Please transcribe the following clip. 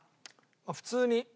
普通に。